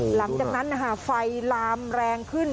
โอ้โฮดูนั่นนะครับหลังจากนั้นฟัยรามแรงขึ้น